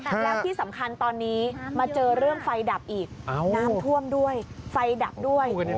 แล้วที่สำคัญตอนนี้มาเจอเรื่องไฟดับอีกน้ำท่วมด้วยไฟดับด้วย